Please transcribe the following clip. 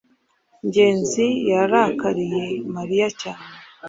ngenzi yarakariye mariya cyane